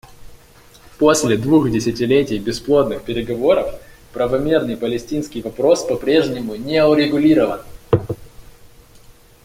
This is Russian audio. После двух десятилетий бесплодных переговоров, правомерный палестинский вопрос по-прежнему не урегулирован.